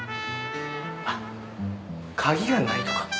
あっ鍵がないとか。